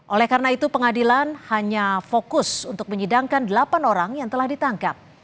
oleh karena itu pengadilan hanya fokus untuk menyidangkan delapan orang yang telah ditangkap